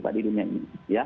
pak di dunia ini